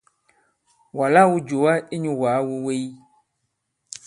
Wàlā wū jùwa inyū wàa wu wèy.